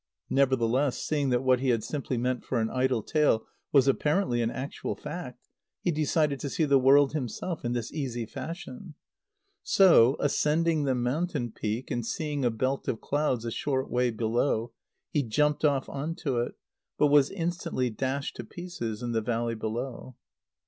Nevertheless, seeing that what he had simply meant for an idle tale was apparently an actual fact, he decided to see the world himself in this easy fashion. So, ascending the mountain peak, and seeing a belt of clouds a short way below, he jumped off on to it, but was instantly dashed to pieces in the valley below.